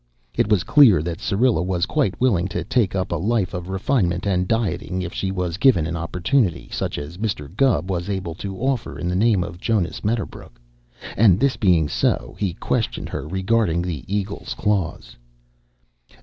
It was clear that Syrilla was quite willing to take up a life of refinement and dieting if she was given an opportunity such as Mr. Gubb was able to offer in the name of Jonas Medderbrook; and, this being so, he questioned her regarding the eagle's claws.